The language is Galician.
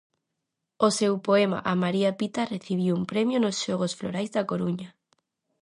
O seu poema "A María Pita" recibiu un premio nos Xogos Florais da Coruña.